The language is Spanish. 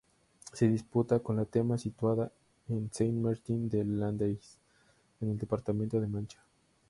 Se disputa con la meta situada en Saint-Martin-de-Landelles, en el departamento de Mancha.